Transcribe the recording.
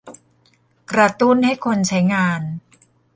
กระตุ้นให้คนใช้งาน